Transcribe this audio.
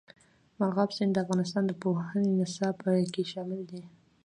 مورغاب سیند د افغانستان د پوهنې نصاب کې شامل دي.